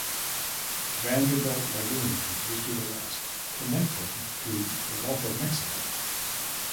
Vanderbilt Lagoon is to the west, connecting to the Gulf of Mexico.